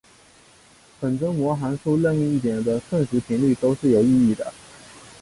本征模函数任意一点的瞬时频率都是有意义的。